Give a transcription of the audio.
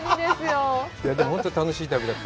でも、本当に楽しい旅でした。